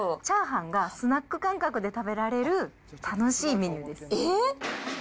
チャーハンがスナック感覚で食べられる、楽しいメニューですえ？